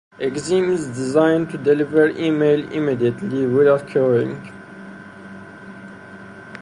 Exim is designed to deliver email immediately, without queueing.